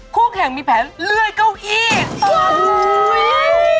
คู่แข่งมีแผนเลื่อยเก้าอี้ต่อหู